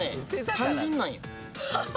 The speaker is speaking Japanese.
単純なんよ